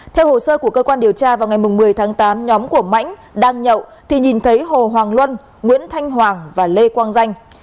theo hồ sơ của cơ quan điều tra vào ngày một mươi tháng tám nhóm của mãnh đang nhậu thì nhìn thấy hồ hoàng luân nguyễn thanh hoàng và lê quang danh